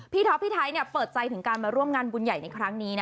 ท็อปพี่ไทยเปิดใจถึงการมาร่วมงานบุญใหญ่ในครั้งนี้